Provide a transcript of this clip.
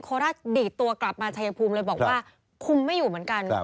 ราชดีดตัวกลับมาชายภูมิเลยบอกว่าคุมไม่อยู่เหมือนกัน